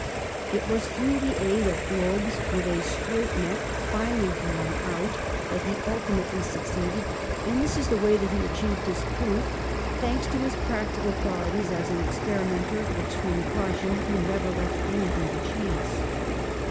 It was through the aid of globes with a straight neck finely drawn out ON THE ROAD TO FAME 65 that he ultimately succeeded; and this is the way that he achieved his proof, thanks to his practical qualities as an experimenter of ex treme caution who never left anything to chance.